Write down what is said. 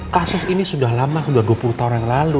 kasus ini sudah lama sudah dua puluh tahun yang lalu